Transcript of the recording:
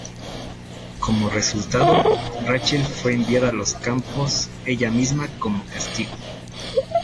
Como resultado, Rachel fue enviada a los campos ella misma como castigo.